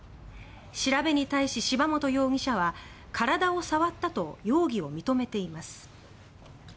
調べに対し、柴本容疑者は体を触ったと容疑を認めています。